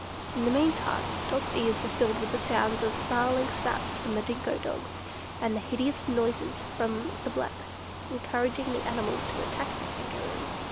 In the meantime Dot's ears were filled with the sounds of snarling snaps from the dingo dogs, and hideous noises from the blacks, encouraging the animals to attack the Kangaroo.